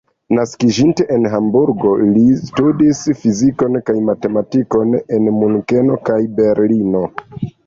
Naskiĝinte en Hamburgo, li studis fizikon kaj matematikon en Munkeno kaj Berlino.